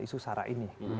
isu sarah ini